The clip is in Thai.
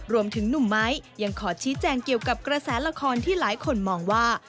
รวมถึงหนุ่มไม้ยังขอชี้แจงเกี่ยวกับกระแสละครที่หลายคนมองว่า